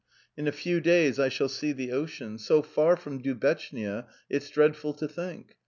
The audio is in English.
In a few days I shall be on the ocean so far from Du bechnia. It is awful to think of